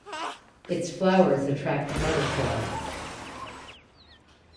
Its flowers attract butterflies.